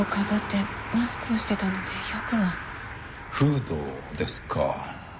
フードですか。